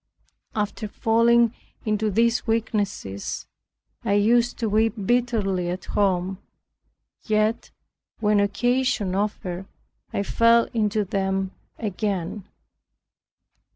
After falling into these weaknesses, I used to weep bitterly at home. Yet, when occasion offered, I fell into them again.